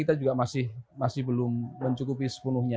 kita juga masih belum mencukupi sepenuhnya